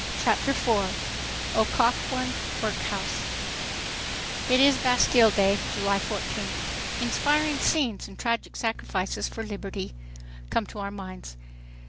Chapter 4 Occoquan Workhouse It is Bastille Day, July fourteenth. Inspiring scenes and tragic sacrifices for liberty come to our minds.